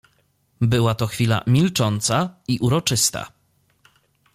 "Była to chwila milcząca i uroczysta."